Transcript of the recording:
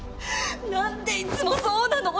何でいつもそうなの？